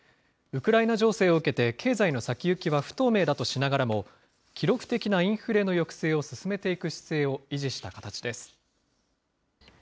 ウクライナ情勢を受けて、経済の先行きは不透明だとしながらも、記録的なインフレの抑制を進めていく姿勢を維持した形です。